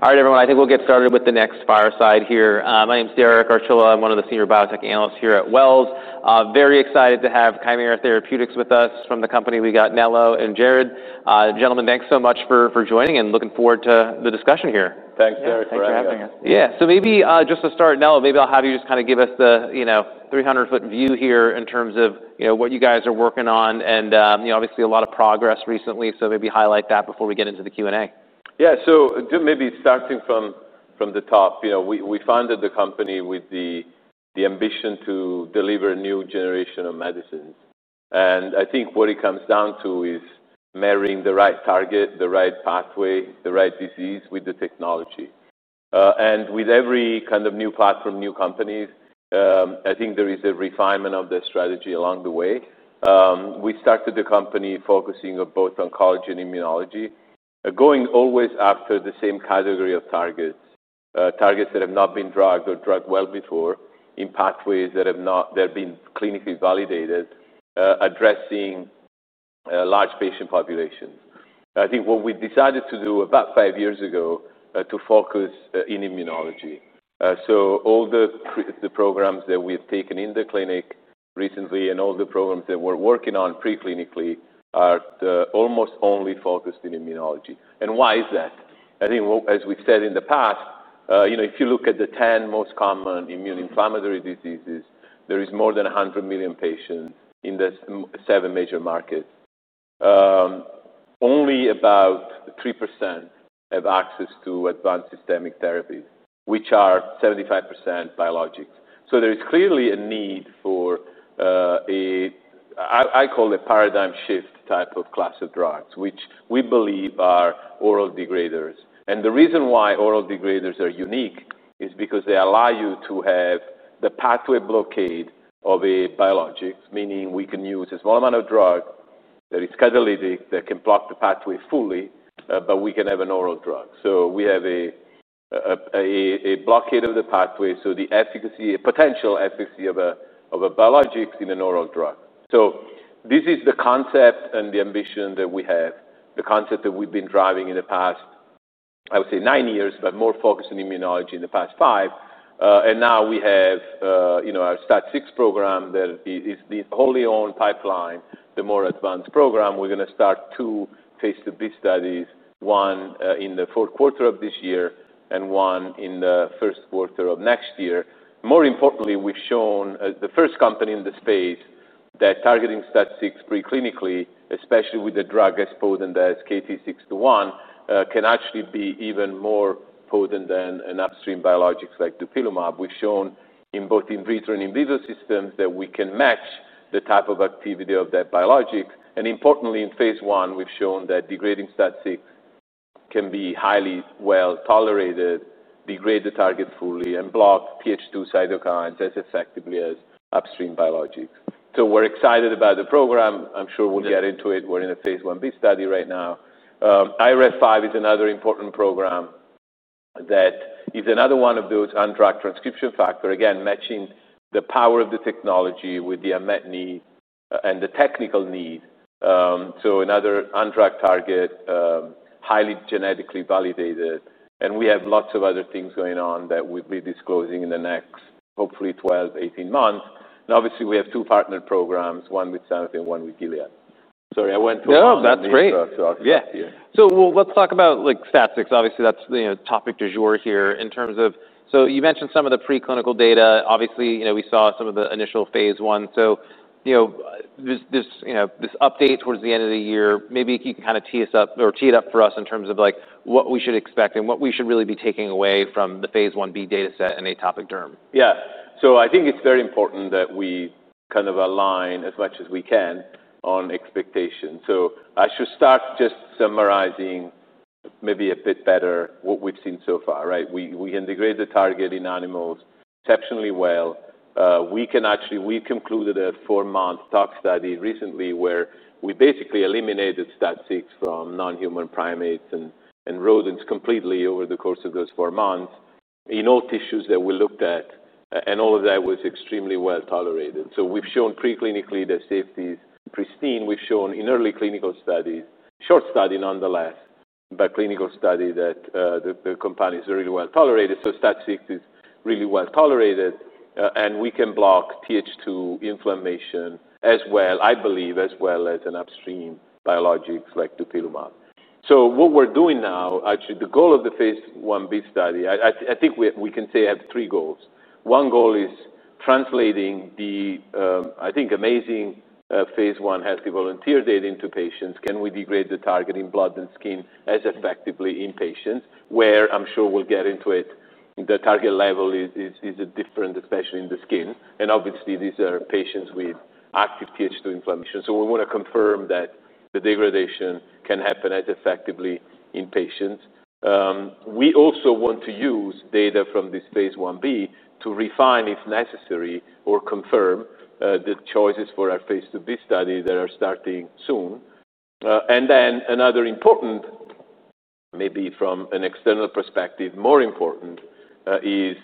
All right, everyone. I think we'll get started with the next fireside here. My name is Derek Archila. I'm one of the senior biotech analysts here at Wells. Very excited to have Chimera Therapeutics with us from the company we got Nello. And Jared, gentlemen, thanks so much for joining and looking forward to the discussion here. Thanks, Yes. Jared, for having So maybe just to start, Nelo, maybe I'll have you just kind of give us the 300 foot view here in terms of what you guys are working on. And obviously, a lot of progress recently, so maybe highlight that before we get into the Q and A. Yes. So Jim, maybe starting from the top. We founded the company with the ambition to deliver new generation of medicines. And I think what it comes down to is marrying the right target, the right pathway, the right disease with the technology. And with every kind of new platform, new companies, I think there is a refinement of the strategy along the way. We started the company focusing on both oncology and immunology, going always after the same category of targets, targets that have not been drugged or drug well before in pathways that have not they've been clinically validated, addressing large patient populations. I think what we decided to do about five years ago to focus in immunology. So all the programs that we've taken in the clinic recently and all the programs that we're working on preclinically are almost only focused in immunology. And why is that? I think as we've said in the past, if you look at the 10 most common immune inflammatory diseases, there is more than one hundred million patients in the seven major markets. Only about three percent have access to advanced systemic therapies, which are 75% biologics. So there is clearly a need for, I call it paradigm shift type of class of drugs, which we believe are oral degraders. And the reason why oral degraders are unique is because they allow you to have the pathway blockade of a biologics, meaning we can use a small amount of drug that is catalytic, that can block the pathway fully, but we can have an oral drug. So we have a blockade of the pathway. So the efficacy potential efficacy of a biologics in an oral drug. So this is the concept and the ambition that we have, the concept that we've been driving in the past, I would say, nine years, but more focused in immunology in the past five. And now we have our STAT6 program that is the wholly owned pipeline, the more advanced program. We're going to start two Phase 2b studies, one in the fourth quarter of this year and one in the first quarter of next year. More importantly, we've shown as the first company in the space that targeting STAT6 preclinically, especially with the drug as potent as KT621, can actually be even more potent than an upstream biologics like dupilumab. We've shown in both in vitro and in vivo systems that we can match the type of activity of that biologics. And importantly, in Phase I, we've shown that degrading STAT6 can be highly well tolerated, degrade the target fully and block PH2 cytokines as effectively as upstream biologics. So we're excited about the program. I'm sure we'll get into it. We're in a Phase Ib study right now. IRAF5 is another important program that is another one of those untracked transcription factor, again, matching the power of the technology with the unmet need and the technical need. So another un drug target, highly genetically validated. And we have lots of other things going on that we'll be disclosing in the next, hopefully, eighteen months. And obviously, we have two partnered programs, one with Sanofi and one with Gilead. Sorry, went to all of them. That's great. Yes. Let's talk about like statics. Obviously, that's the topic du jour here in terms of so you mentioned some of the preclinical data. Obviously, we saw some of the initial Phase I. So this update towards the end of the year, maybe if you can kind of tee us up or tee it up for us in terms of like what we should expect and what we should really be taking away from the Phase Ib data set in atopic derm? Yes. So I think it's very important that we kind of align as much as we can on expectations. So I should start just summarizing maybe a bit better what we've seen so far, right? We integrate the target in animals exceptionally well. We can actually we concluded a four month tox study recently where we basically eliminated stat six from nonhuman primates and rodents completely over the course of those four months in all tissues that we looked at and all of that was extremely well tolerated. So we've shown preclinically the safety is pristine. We've shown in early clinical studies, short study nonetheless, but clinical study that the company is really well tolerated. So STAT6 is really well tolerated, and we can block Th2 inflammation as well I believe as well as an upstream biologics like dupilumab. So what we're doing now actually the goal of the Phase Ib study, I think we can say have three goals. One goal is translating the, I think, Phase I healthy volunteer data into patients. Can we degrade the targeting blood and skin as effectively in patients, where I'm sure we'll get into it. The target level is different, especially in the skin. And obviously, these are patients with active Th2 inflammation. So we want to confirm that the degradation can happen as effectively in patients. We also want to use data from this Phase Ib to refine if necessary or confirm the choices for our Phase IIb study that are starting soon. And then another important maybe from an external perspective, more important is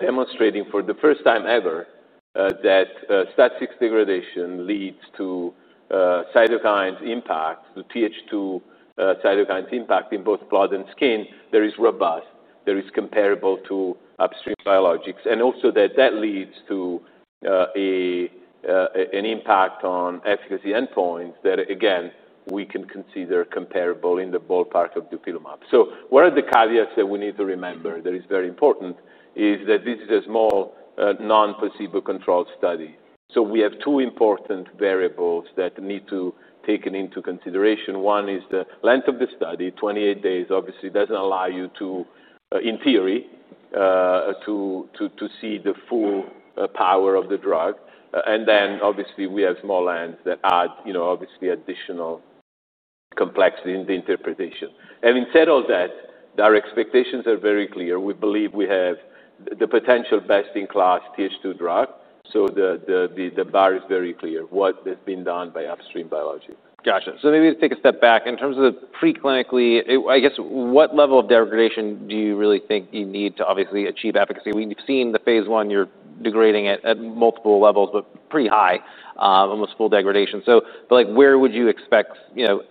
demonstrating for the first time ever that statics degradation leads to cytokines impact, the Th2 cytokines impact in both blood and skin that is robust, is comparable to upstream biologics. And also that leads to an impact on efficacy endpoints that again, we can consider comparable in the ballpark of dupilumab. So one of the caveats that we need to remember that is very important is that this is a small non placebo controlled study. So we have two important variables that need to take into consideration. One is the length of the study, twenty eight days obviously doesn't allow you to in theory, to see the full power of the drug. And then obviously, we have small lands that add obviously additional complexity in the interpretation. Having said all that, our expectations are very clear. We believe we have the potential best in class Th2 drug. So the bar is very clear, what has been done by upstream biology. Got you. So maybe just take a step back. In terms of the preclinically, I guess, what level of degradation do you really think you need to obviously achieve efficacy? We've seen the Phase I, you're degrading it at multiple levels, but pretty high, almost full degradation. So like where would you expect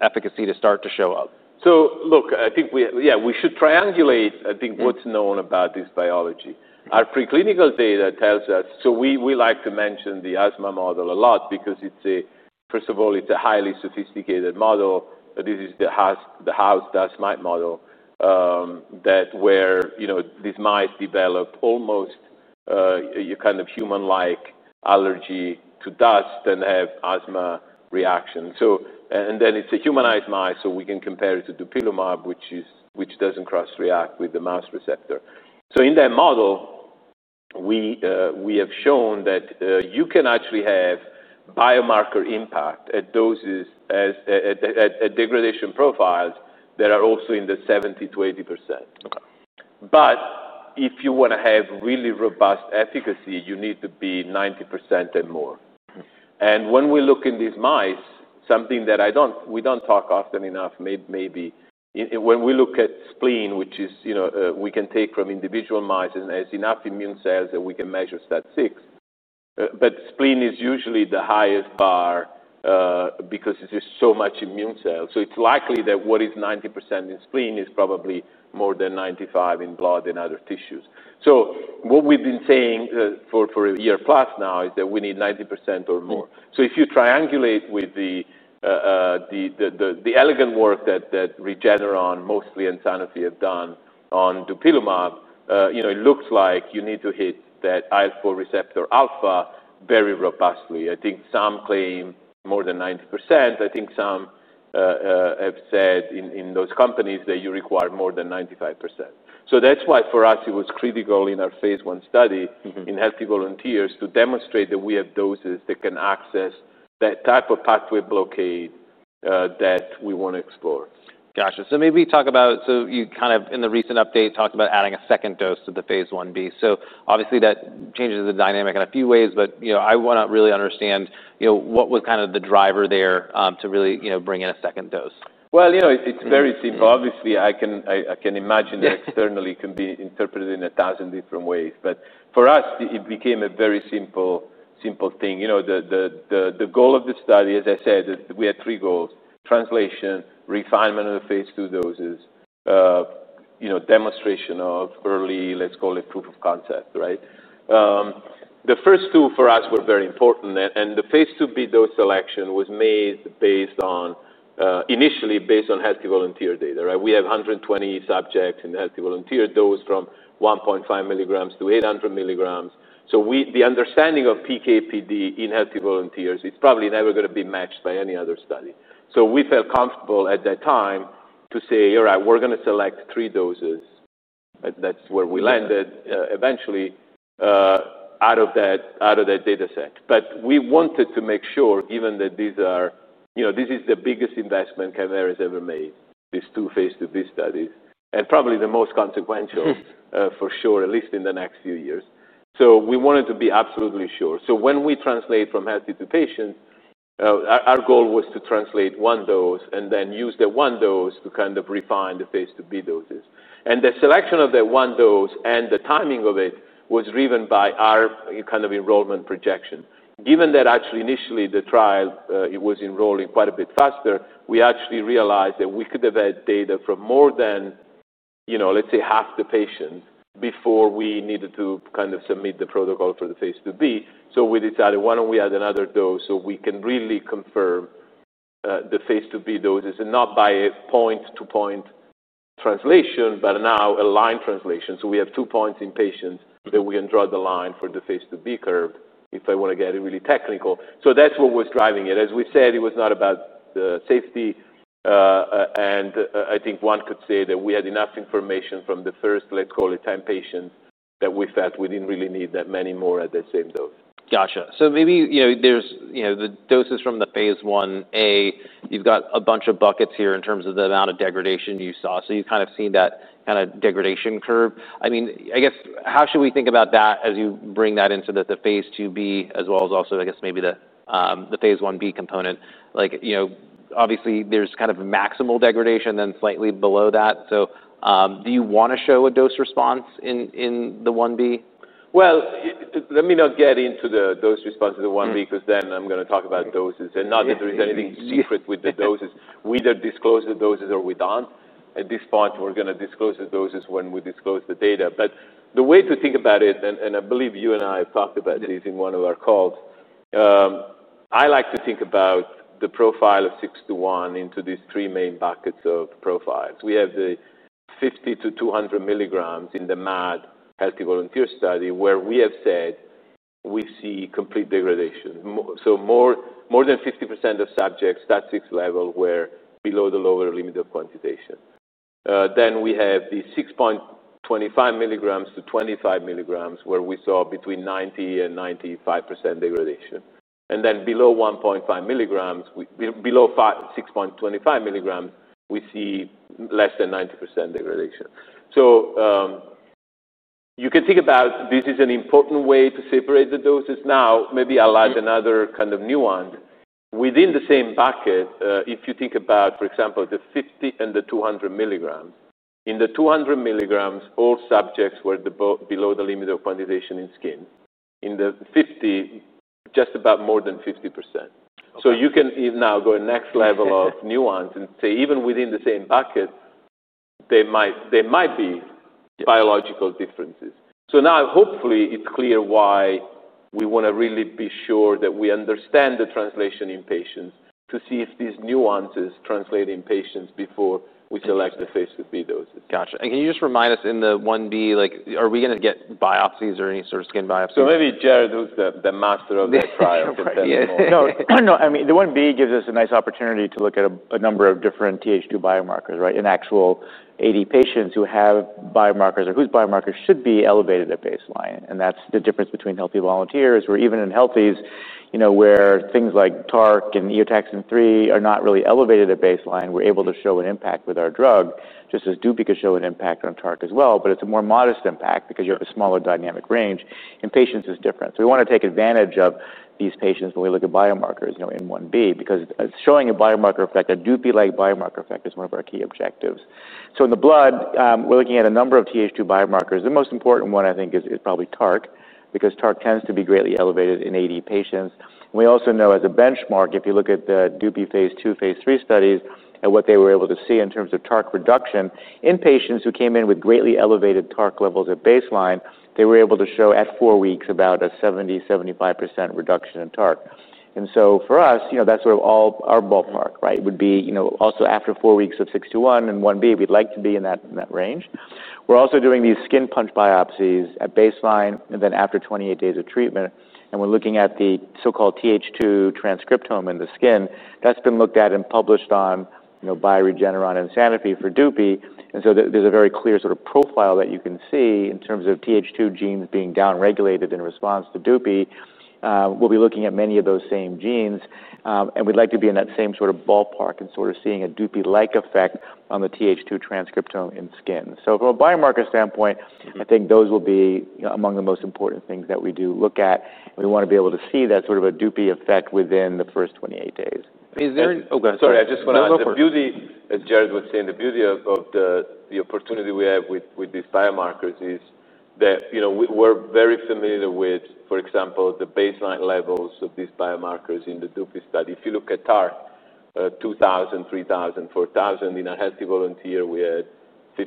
efficacy to start to show up? So look, I think we yes, we should triangulate, I think, what's known about this biology. Our preclinical data tells us so we like to mention the asthma model a lot because it's a first of all, it's a highly sophisticated model. This is the house dust mite model, that where this might develop almost, kind of human like allergy to dust and have asthma reaction. So and then it's a humanized mice, so we can compare it to dupilumab, which is which doesn't cross react with the mouse receptor. So in that model, we have shown that you can actually have biomarker impact at doses as degradation profiles that are also in the seventy percent to 80%. But if you want to have really robust efficacy, you need to be ninety percent and more. And when we look in these mice, something that I don't we don't talk often enough, maybe When we look at spleen, which is we can take from individual mice and there's enough immune cells that we can measure STAT6. But spleen is usually the highest bar, because it is so much immune cells. So it's likely that what is ninety percent in spleen is probably more than 95% in blood and other tissues. So what we've been saying for a year plus now is that we need 90% or more. So if you triangulate with the elegant work that Regeneron mostly and Sanofi have done on dupilumab, it looks like you need to hit that IL-four receptor alpha very robustly. I think some claim more than ninety percent. I think some, have said in those companies that you require more than 95%. So that's why for us, it was critical in our Phase one study in healthy volunteers to demonstrate that we have doses that can access that type of pathway blockade that we want to explore. Got you. So maybe talk about so you kind of in the recent update talked about adding a second dose to the Phase Ib. So obviously, changes the dynamic in a few ways, but I want to really understand what was kind of the driver there to really bring in a second dose? Well, it's very simple. Obviously, I can imagine that externally it can be interpreted in a thousand different ways. But for us, it became a very simple thing. The goal of the study, as I said, we had three goals: translation, refinement of the Phase II doses, demonstration of early, let's call it, proof of concept, right? The first two for us were very important. And the Phase 2b dose selection was made based on initially based on healthy volunteer data, right? We have 120 subjects in healthy volunteer dose from 1.5 to eight hundred milligrams. So we the understanding of PKPD in healthy volunteers, it's probably never going to be matched by any other study. So we felt comfortable at that time to say, all right, we're going to select three doses. That's where we landed eventually out of that data set. But we wanted to make sure, given that these are this is the biggest investment Cavares ever made, these two Phase 2b studies and probably the most consequential for sure, at least in the next few years. So we wanted to be absolutely sure. So when we translate from healthy to patient, our goal was to translate one dose and then use the one dose to kind of refine the Phase IIb doses. And the selection of the one dose and the timing of it was driven by our kind of enrollment projection. Given that actually initially the trial, it was enrolling quite a bit faster, we actually realized that we could have had data from more than, let's say, the patients before we needed to kind of submit the protocol for the Phase 2b. So we decided why don't we add another dose, so we can really confirm the Phase 2b doses and not by a point to point translation, but now a line translation. So we have two points in patients that we can draw the line for the Phase 2b curve, if I want to get it really technical. So that's what was driving it. As we said, it was not about the safety. And I think one could say that we had enough information from the first, let's call it, time patients that we felt we didn't really need that many more at the same dose. Got you. So maybe there's the doses from the Phase 1a, you've got a bunch of buckets here in terms of the amount of degradation you saw. So you've kind of seen that kind of degradation curve. I mean, I guess, how should we think about that as you bring that into the Phase 2b as well as also, I guess, maybe the Phase Ib component, like obviously, there's kind of maximal degradation then slightly below that. So do you want to show a dose response in the Ib? Well, let me not get into the dose response of the 1b because then I'm going to talk about doses and not that there is anything secret with the doses. We either disclose the doses or we don't. At this point, we're going to disclose the doses when we disclose the data. But the way to think about it, and I believe you and I have talked about this in one of our calls, I like to think about the profile of six:one into these three main buckets of profiles. We have the fifty to two hundred milligrams in the MAD healthy volunteer study, where we have said we see complete degradation. So more than 50% of subjects, that six level were below the lower limit of quantitation. Then we have the six point two five milligrams to 25, where we saw between 9095% degradation. And then below 1.5 below 6.25, we see less than 90% degradation. So you can think about this is an important way to separate the doses. Now maybe I'll add another kind of nuance. Within the same bucket, if you think about, for example, the fifty and the two hundred milligrams, in the two hundred milligrams, all subjects were below the limit of quantization in skin. In the fifty, just about more than 50%. So you can now go next level of nuance and say even within the same bucket, there might be biological differences. So now hopefully, it's clear why we want to really be sure that we understand the translation in patients to see if these nuances translate in patients before we select the Phase IIb doses. Got you. And can you just remind us in the 1b, like are we going to get biopsies or any sort of skin biopsies? So maybe Jared, who's the master of that trial for No. That at mean the 1b gives us a nice opportunity to look at a number of different Th2 biomarkers, right, in actual AD patients who have biomarkers or whose biomarkers should be elevated at baseline. And that's the difference between healthy volunteers or even in healthies where things like TARC and eotaxin-three are not really elevated at baseline, we're able to show an impact with our drug just as DUPI could show an impact on TARC as well, but it's a more modest impact because you have a smaller dynamic range. In patients, it's different. So we want to take advantage of these patients when we look at biomarkers in 1b because showing a biomarker effect, a DUPI like biomarker effect, is one of our key objectives. So in the blood, we're looking at a number of Th2 biomarkers. The most important one, I think, is probably TARC because TARC tends to be greatly elevated in AD patients. We also know as a benchmark, if you look at the dupi Phase II, Phase III studies and what they were able to see in terms of TARC reduction in patients who came in with greatly elevated TARC levels at baseline, they were able to show at four weeks about a 70%, 75% reduction in TARC. And so for us, that's sort of all our ballpark, right, would be also after four weeks of six:one and 1b, we'd like to be in that range. We're also doing these skin punch biopsies at baseline and then after twenty eight days of treatment, and we're looking at the so called Th2 transcriptome in the skin. That's been looked at and published by Regeneron and Sanofi for dupi. And so there's a very clear sort of profile that you can see in terms of Th2 genes being downregulated in response to dupi. We'll be looking at many of those same genes, And we'd like to be in that same sort of ballpark and sort of seeing a dupi like effect on the Th2 transcriptome in skin. So from a biomarker standpoint, I think those will be among the most important things that we do look at. And we want to be able to see that sort of a dupi effect within the first twenty eight days. Is there sorry, just want to add the beauty as Jared was saying, the beauty of the opportunity we have with these biomarkers is that we're very familiar with, for example, the baseline levels of these biomarkers in the dupi study. If you look at TARC 2,000, 3,000, 4,000 in a healthy volunteer, had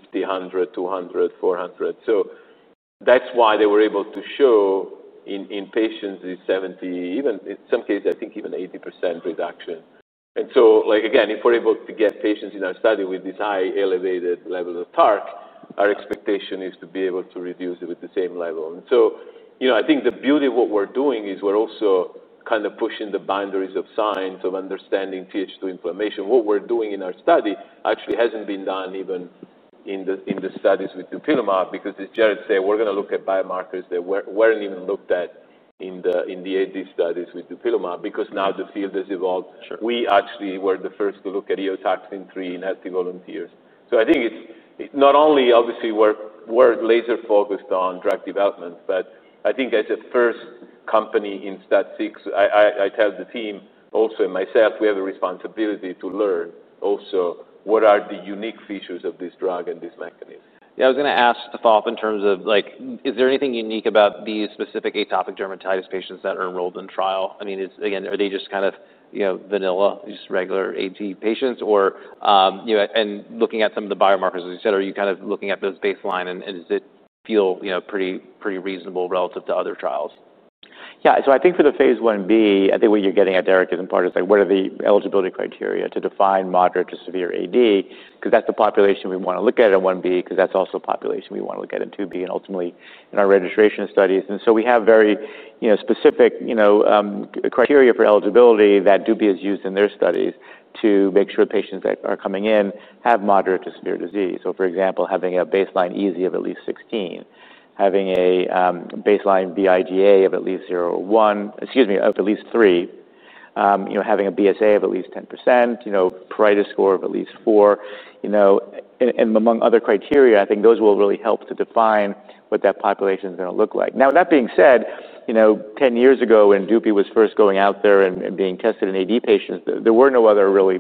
5,100, 200, 400. So that's why they were able to show in patients the seventy percent, even in some cases, I think even eighty percent reduction. And so like again, if we're able to get patients in our study with this high elevated level of TARC, our expectation is to be able to reduce it with the same level. And so I think the beauty of what we're doing is we're also kind of pushing the boundaries of science of understanding Th2 inflammation. What we're doing in our study actually hasn't been done even in the studies with dupilumab because as Jared said, we're going to look at biomarkers that weren't even looked at in the AD studies with dupilumab because now the field has evolved. We actually were the first to look at eotoxin-three in healthy volunteers. So I think it's not only obviously, we're laser focused on drug development, but I think as a first company in STAT6, I tell the team also and myself, we have a responsibility to learn also what are the unique features of this drug and this mechanism. Yes. Was going to ask a follow-up in terms of like, is there anything unique about these specific atopic dermatitis patients that are enrolled in trial? I mean, are they just kind of vanilla, just regular AT patients? Or and looking at some of the biomarkers, as you said, are you kind of looking at those baseline? And does it feel pretty reasonable relative to other trials? Yes. So I think for the Phase Ib, I think what you're getting at, Derek, is in part is like what are the eligibility criteria to define moderate to severe AD because that's the population we want to look at in Ib because that's also a population we want to look at in IIb and ultimately in our registration studies. And so we have very specific criteria for eligibility that dupia is used in their studies to make sure patients that are coming in have moderate to severe disease. So for example, having a baseline EASI of at least 16, having a baseline BIGA of at least zero or one excuse me, of at least three, having a BSA of at least 10%, pruritus score of at least four and among other criteria, I think those will really help to define what that population is going to look like. Now that being said, ten years ago, when Dupi was first going out there and being tested in AD patients, there were no other really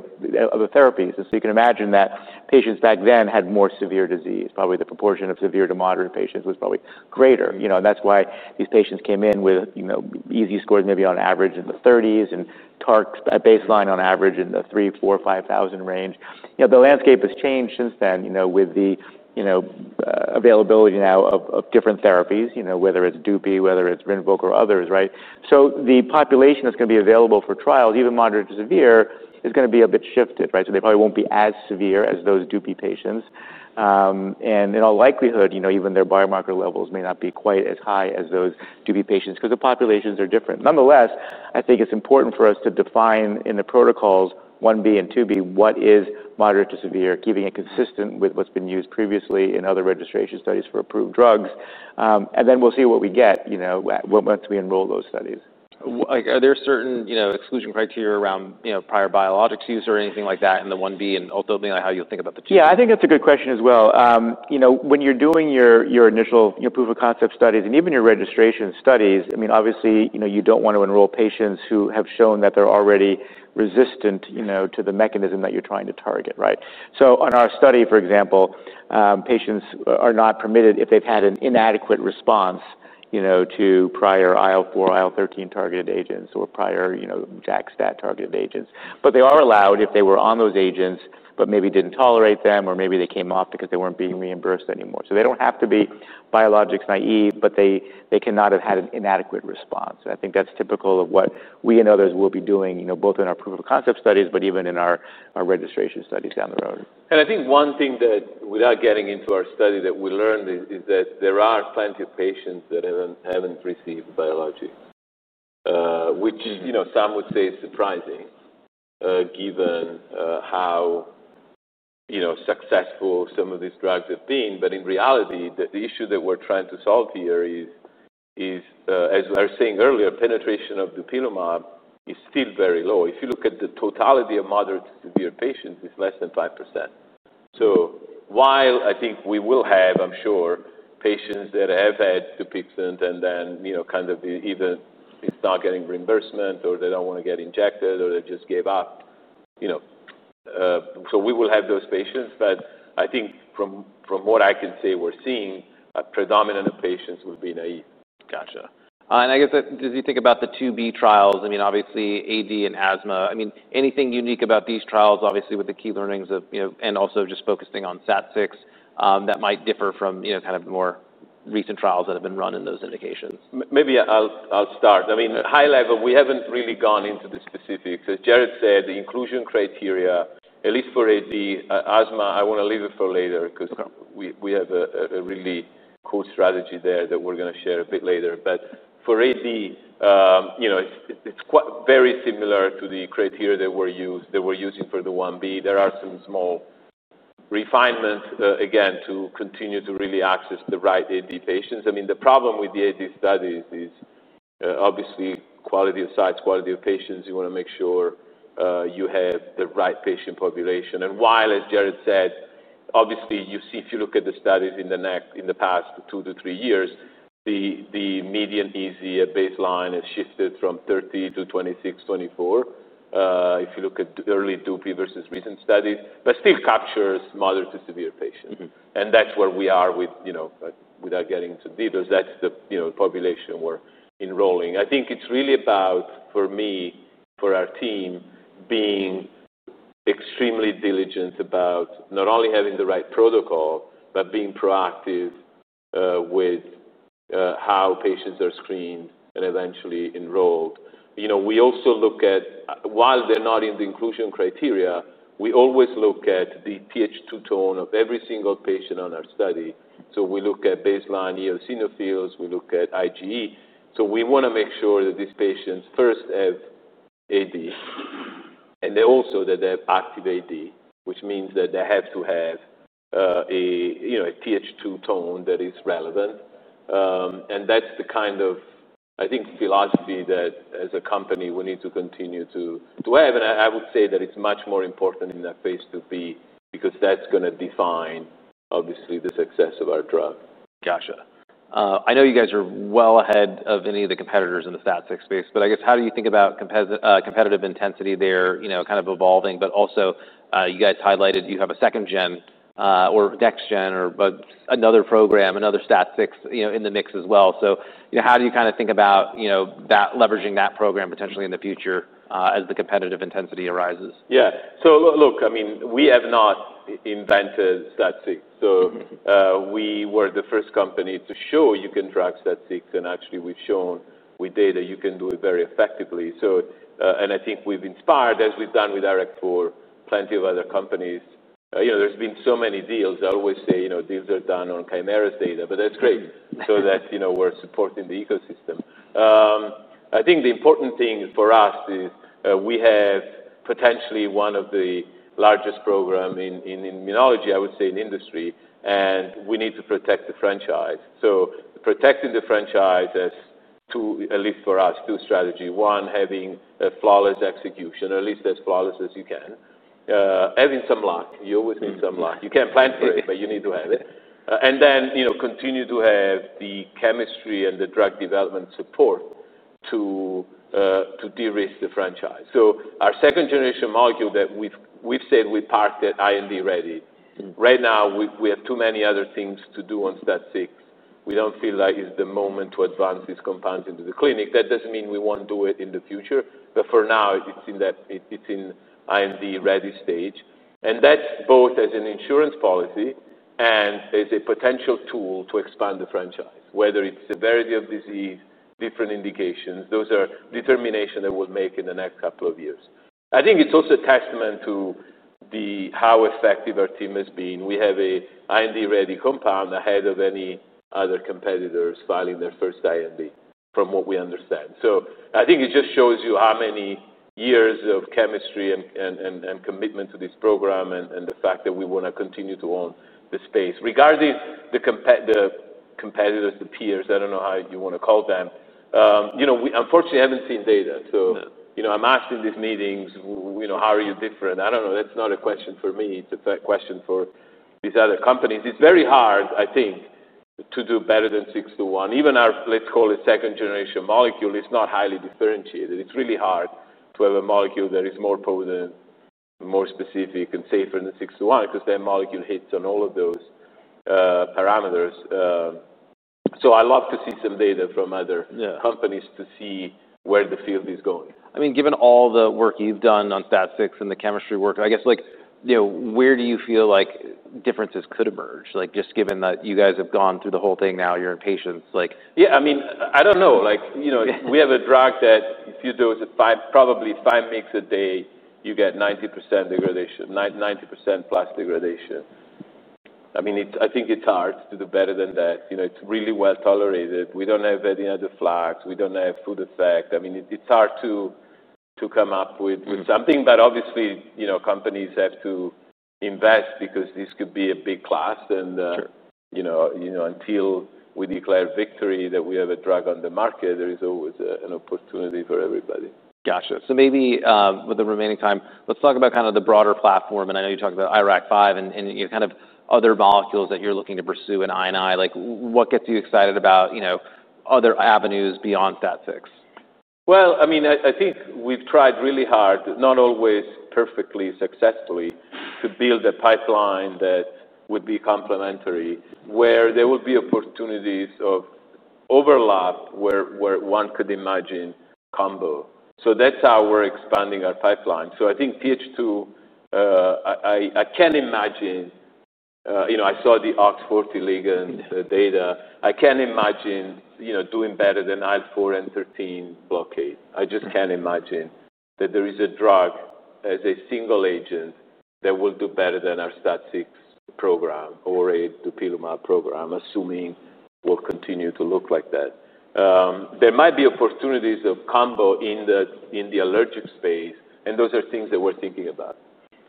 other therapies. And so you can imagine that patients back then had more severe disease, probably the proportion of severe to moderate patients was probably greater. That's why these patients came in with EASI scores maybe on average in the 30s and TARCs at baseline on average in the 3,000, 4,000, 5,000 range. The landscape has changed since then with the availability now of different therapies, whether it's dupi, whether it's RINVOQ or others, right? So the population that's going be available for trials, even moderate to severe, is going to be a bit shifted, right? So they probably won't be as severe as those dupi patients. And in all likelihood, even their biomarker levels may not be quite as high as those dupi patients because the populations are different. Nonetheless, I think it's important for us to define in the protocols 1b and 2b what is moderate to severe, keeping it consistent with what's been used previously in other registration studies for approved drugs. And then we'll see what we get once we enroll those studies. Are there certain exclusion criteria around prior biologics use or anything like that in the 1b? And ultimately, how you'll think about the two? Yes. Think that's a good question as well. When you're doing your initial proof of concept studies and even your registration studies, I mean, obviously, you don't want to enroll patients who have shown that they're already resistant to the mechanism that you're trying to target, right? So on our study, for example, patients are not permitted if they've had an inadequate response to prior IL-four, IL-thirteen targeted agents or prior JAK STAT targeted agents. But they are allowed if they were on those agents but maybe didn't tolerate them or maybe they came off because they weren't being reimbursed anymore. So they don't have to be biologics naive, but they cannot have had an inadequate response. And I think that's typical of what we and others will be doing, both in our proof of concept studies, but even in our registration studies down the road. And I think one thing that without getting into our study that we learned is that there are plenty of patients that haven't received biologics, which some would say is surprising given how successful some of these drugs have been. But in reality, the issue that we're trying to solve here is, as we are saying earlier, penetration of dupinumab is still very low. If you look at the totality of moderate to severe patients, it's less than five percent. So while I think we will have, I'm sure, patients that have had Dupixent and then kind of either it's not getting reimbursement or they don't want to get injected or they just gave up. So we will have those patients. But I think from what I can say, we're seeing a predominant of patients will be naive. Got you. And I guess as you think about the 2b trials, I mean, obviously, AD and asthma, I mean, anything unique about these trials, obviously, with the key learnings of and also just focusing on SAT6 that might differ from kind of the more recent trials that have been run-in those indications? Maybe I'll start. I mean, high level, we haven't really gone into the specifics. As Jared said, the inclusion criteria, at least for the asthma, I want to leave it for later because we have a really cool strategy there that we're going to share a bit later. But for AD, it's very similar to the criteria that we're using for the 1b. There are some small refinements, again, to continue to really access the right AD patients. I mean the problem with the AD study is quality of sites, quality of patients. You want to make sure, you have the right patient population. And while, as Jared said, obviously, you see if you look at the studies in the next in the past two to three years, the median EZ baseline has shifted from 30 to 26, 24, if you look at early DUPI versus recent studies, but still captures moderate to severe patients. And that's where we are with without getting into details, that's the population we're enrolling. I think it's really about, for me, for our team, being extremely diligent about not only having the right protocol, but being proactive with how patients are screened and eventually enrolled. We also look at while they're not in the inclusion criteria, we always look at the Th2 tone of every single patient on our study. So we look at baseline eosinophils, we look at IgE. So we want to make sure that these patients first have and they also that they have active AD, which means that they have to have Th2 tone that is relevant. And that's the kind of, I think, philosophy that as a company, we need to continue to have. And I would say that it's much more important in that Phase 2b because that's going to define, obviously, the success of our drug. Got you. I know you guys are well ahead of any of the competitors in the FAT6 space. But I guess how do you think about competitive intensity there kind of evolving? But also, you guys highlighted you have a second gen or next gen or another program, another STAT6 in the mix as well. So how do you kind of think about that leveraging that program potentially in the future as the competitive intensity arises? Yes. So look, I mean, we have not invented So we were the first company to show you can track SAT6, and actually we've shown with data you can do it very effectively. So and I think we've inspired, as we've done with Erekt for plenty of other companies. There's been so many deals. I always say deals are done on Chimera's data, but that's great so that we're supporting the ecosystem. I think the important thing for us is we have potentially one of the largest program in immunology, I would say, the industry, and we need to protect the franchise. So protecting the franchise is two at least for us, two strategy: one, having a flawless execution, at least as flawless as you can, having some luck, you always need some luck. You can't plan for it, but you need to have it. And then continue to have the chemistry and the drug development support to derisk the franchise. So our second generation molecule that we've said we parked it IND ready. Right now, we have too many other things to do on STAT6. We don't feel like it's the moment to advance this compound into the clinic. That doesn't mean we won't do it in the future. But for now, it's in that it's in IND ready stage. And that's both as an insurance policy and as a potential tool to expand the franchise, whether it's severity of disease, different indications, those are determination that we'll make in the next couple of years. I think it's also a testament to the how effective our team has been. We have an IND ready compound ahead of any other competitors filing their first IND from what we understand. So I think it just shows you how many years of chemistry and commitment to this program and the fact that we want to continue to own the space. Regarding the competitors, the peers, I don't know how you want to call them. We unfortunately haven't seen data. So I'm asked in these meetings, how are you different? I don't know. That's not a question for me. It's question for these other companies. It's very hard, I think, to do better than six:one. Even our, let's call it, second generation molecule is not highly differentiated. It's really hard to have a molecule that is more potent, more specific and safer than six twenty one because that molecule hits on all of those, parameters. So I love to see some data from other companies to see where the field is going. I mean given all the work you've done on statics and the chemistry work, I guess, like where do you feel like differences could emerge? Like just given that you guys have gone through the whole thing now you're in patients like Yes. I mean, I don't know. Like we have a drug that if you dose it probably five weeks a day, you get 90% degradation 90% plus degradation. I mean, I think it's hard to do better than that. It's really well tolerated. We don't have any other flags. We don't have food effect. I mean it's hard to come up with something, but obviously, companies have to invest because this could be a big class. And until we declare victory that we have a drug on the market, there is always an opportunity for everybody. Got you. So maybe with the remaining time, let's talk about kind of the broader platform. And I know you talked about IRAK5 and kind of other molecules that you're looking to pursue in I and I. Like what gets you excited about other avenues beyond FAT6? Well, I mean, I think we've tried really hard, not always perfectly successfully, to build a pipeline that would be complementary, where there will be opportunities of overlap, where one could imagine combo. So that's how we're expanding our pipeline. So I think PH2, I can imagine I saw the OX40 ligand data. I can imagine doing better than IL-four and IL-thirteen blockade. Just can't imagine that there is a drug as a single agent that will do better than our STAT6 program or a dupilumab program, assuming we'll continue to look like that. There might be opportunities of combo in the allergic space and those are things that we're thinking about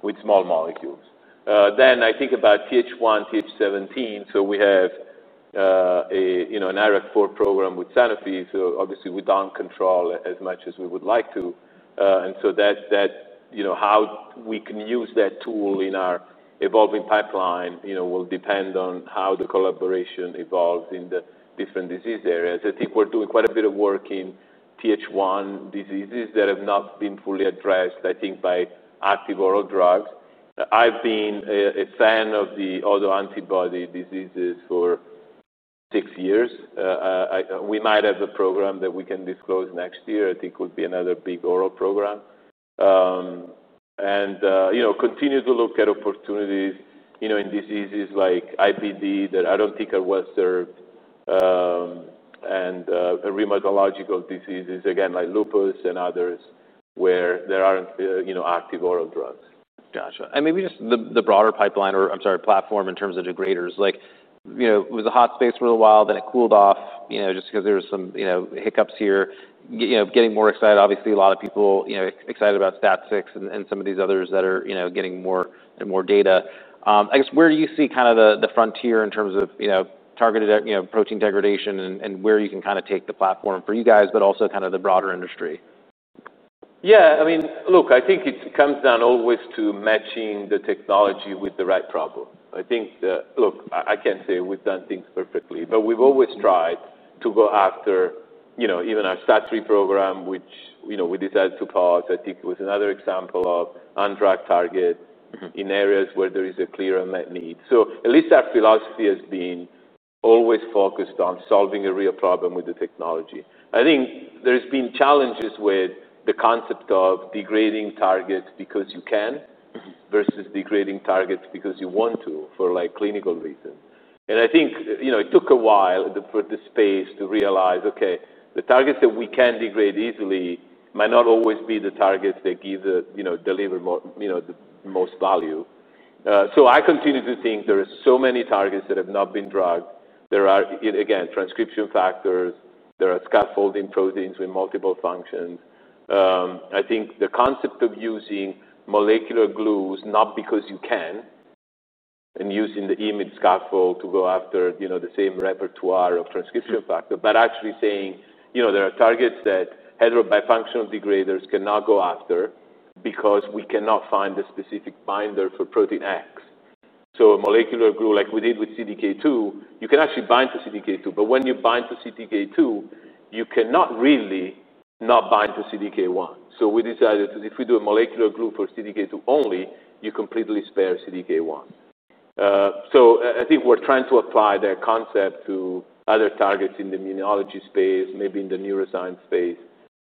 with small molecules. Then I think about Th1, Th17. So we have an IRAK4 program with Sanofi. So obviously, we don't control as much as we would like to. And so that how we can use that tool in our evolving pipeline will depend on how the collaboration evolves in the different disease areas. I think we're doing quite a bit of work in Th1 diseases that have not been fully addressed, I think, by active oral drugs. I've been a fan of the autoantibody diseases for six years. We might have a program that we can disclose next year. I think it would be another big oral program. And continue to look at opportunities in diseases like IBD that I don't think are well served and rheumatological diseases, again, like lupus and others where there aren't active oral drugs. Got you. And maybe just the broader pipeline or I'm sorry, platform in terms of degraders. Like it was a hot space for a while, then it cooled off just because there were some hiccups here. Getting more excited. Obviously, a lot of people excited about STAT6 and some of these others that are getting more data. I guess where do you see kind of the frontier in terms of targeted protein degradation and where you can kind of take the platform for you guys but also kind of the broader industry? Yes. I mean, look, I think it comes down always to matching the technology with the right problem. I think look, I can't say we've done things perfectly, but we've always tried to go after even our stat three program, which we decided to pause, I think it was another example of on track target in areas where there is a clear unmet need. So at least our philosophy has been always focused on solving a real problem with the technology. I think there's been challenges with the concept of degrading targets because you can versus degrading targets because you want to for like clinical reasons. And I think it took a while for the space to realize, okay, the targets that we can degrade easily might not always be the targets that give the deliver the most value. So I continue to think there are so many targets that have not been drugged. There are, again, transcription factors. There are scaffolding proteins with multiple functions. I think the concept of using molecular glues, not because you can and using the image scaffold to go after the same repertoire of transcription factor, but actually saying there are targets that heterobifunctional degraders cannot go after because we cannot find a specific binder for protein X. So molecular growth like we did with CDK2, you can actually bind to CDK2. But when you bind to CDK2, you cannot really not bind to CDK1. So we decided that if we do a molecular group for CDK2 only, you completely spare CDK1. So I think we're trying to apply that concept to other targets in the immunology space, maybe in the neuroscience space.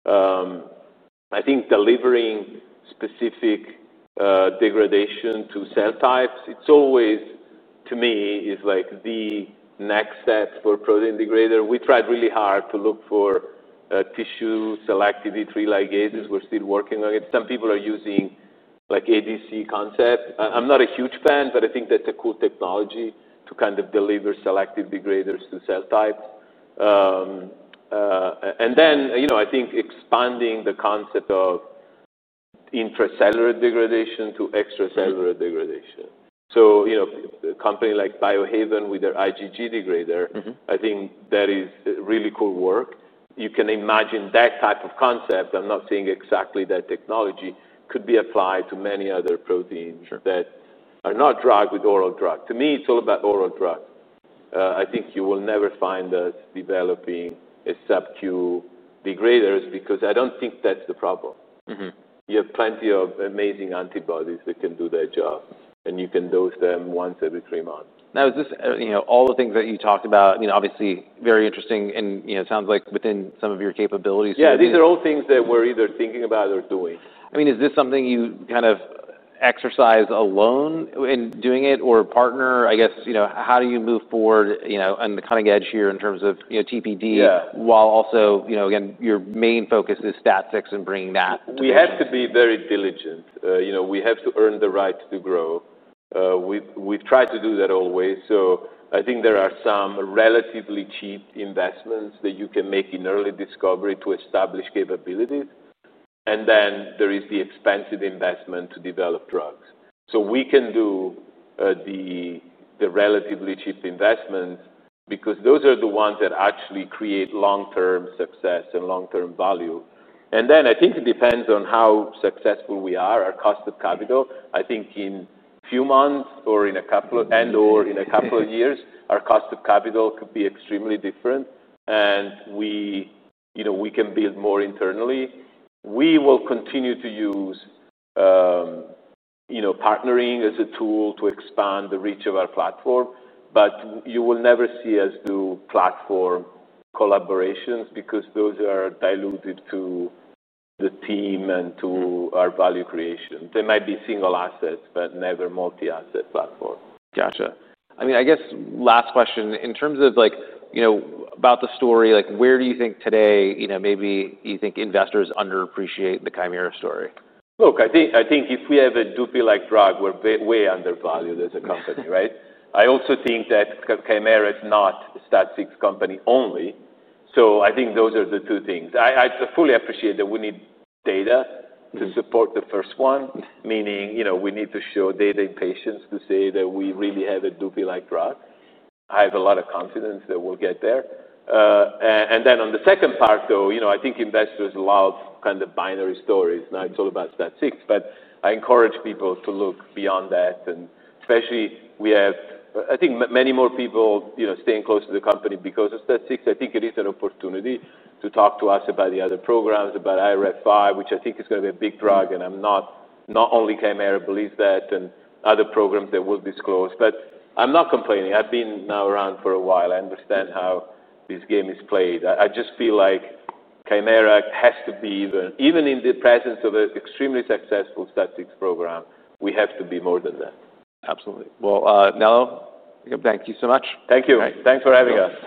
I think delivering specific degradation to cell types, it's always to me is like the next set for protein degrader. We tried really hard to look for tissue selective E3 ligases. We're still working on it. Some people are using like ADC concept. I'm not a huge fan, but I think that's a cool technology to kind of deliver selective degraders to cell types. And then I think expanding the concept of intracellular degradation to extracellular degradation. So a company like Biohaven with their IgG degrader, I think that is really cool work. You can imagine that type of concept, I'm not seeing exactly that technology could be applied to many other proteins that are not drug with oral drug. To me, it's all about oral drug. I think you will never find us developing a subcu degraders because I don't think that's the problem. You have plenty of amazing antibodies that can do their job, and you can dose them once every three months. Now is this all the things that you talked about, obviously, very interesting and it sounds like within some of your capabilities? Yes. These are all things that we're either thinking about or doing. I mean is this something you kind of exercise alone in doing it or partner? I guess how do you move forward on the cutting edge here in terms of TPD, while also again your main focus is statics and bringing that? We have to be very diligent. We have to earn the right to grow. We've tried to do that always. So I think there are some relatively cheap investments that you can make in early discovery to establish capabilities. And then there is the expensive investment to develop drugs. So we can do the relatively cheap investments because those are the ones that actually create long term success and long term value. And then I think it depends on how successful we are, our cost of capital. I think in few months or in a couple of and or in a couple of years, our cost of capital could be extremely different. And we can build more internally. We will continue to use partnering as a tool to expand the reach of our platform, but you will never see us do platform collaborations because those are diluted to the team and to our value creation. They might be single assets, but never multi asset platform. Got you. I mean, I guess last question. In terms of like about the story, like where do you think today maybe you think investors underappreciate the Chimera story? Look, think if we have a dupi like drug, we're way undervalued as a company, right? I also think that Chimera is not a stat six company only. So I think those are the two things. I fully appreciate that we need data to support the first one, meaning we need to show data in patients to say that we really have a dupi like drug. I have a lot of confidence that we'll get there. And then on the second part, though, I think investors love kind of binary stories. Now it's all about SPAT6, but I encourage people to look beyond that. And especially we have I think many more people staying close to the company because of STAT6, I think it is an opportunity to talk to us about the other programs, about IRAD5, which I think is going be a big drug. And I'm not not only Chimera believes that and other programs that we'll disclose. But I'm not complaining. I've been now around for a while. I understand how this game is played. I just feel like Chimera has to be even in the presence of an extremely successful statistics program, we have to be more than that. Absolutely. Well, Nell, thank you so much. Thank you. Thanks for having us.